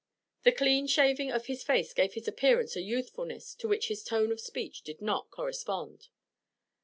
The clean shaving of his face gave his appearance a youthfulness to which his tone of speech did not correspond.